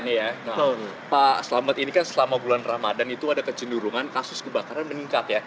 nah pak selamat ini kan selama bulan ramadan itu ada kecenderungan kasus kebakaran meningkat ya